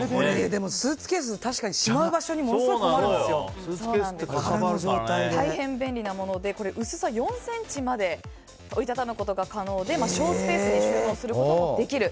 でもスーツケース確かに、しまう場所に大変便利なもので薄さ４ｃｍまで折りたたむことが可能で省スペースに収納することもできる。